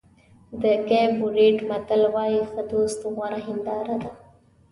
د کېپ ورېډ متل وایي ښه دوست غوره هنداره ده.